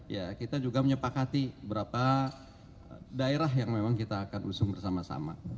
ya kita juga menyepakati berapa daerah yang memang kita akan usung bersama sama